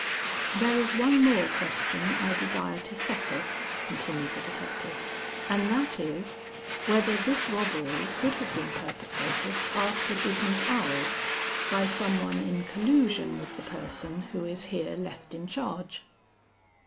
"There is one more question I desire to settle," continued the detective, "and that is, whether this robbery could have been perpetrated after business hours, by some one in collusion with the person who is here left in charge?"